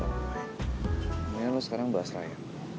kemudian lo sekarang bahas raya